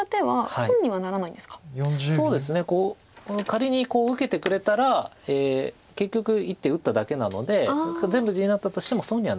仮にこう受けてくれたら結局１手打っただけなので全部地になったとしても損にはならないので。